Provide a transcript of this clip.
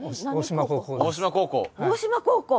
大島高校。